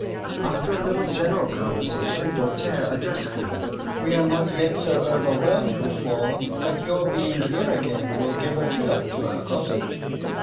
After a little general conversation Doltaire addressed me: "We are not yet so overwhelmed with war but your being here again will give a fillip to our gossip.